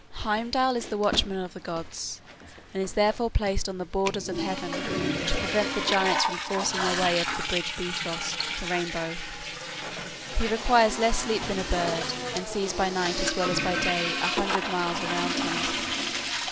Heimdall is the watchman of the gods, and is therefore placed on the borders of heaven to prevent the giants from forcing their way over the bridge Bifrost (the rainbow). He requires less sleep than a bird, and sees by night as well as by day a hundred miles around him.